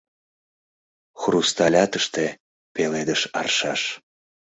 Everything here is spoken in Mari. Хрусталь атыште — пеледыш аршаш.